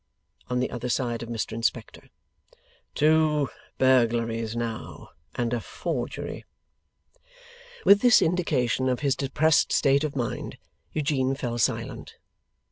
(On the other side of Mr Inspector.) 'Two burglaries now, and a forgery!' With this indication of his depressed state of mind, Eugene fell silent.